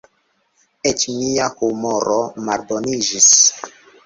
Eĉ mia humoro malboniĝis.